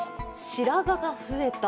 白髪が増えた。